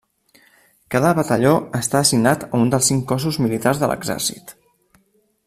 Cada batalló està assignat a un dels cinc cossos militars de l'Exèrcit.